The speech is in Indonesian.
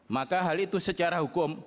maka hal itu secara hukum